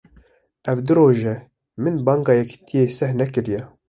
Ev du roj e, min banga yekîtiyê seh nekiriye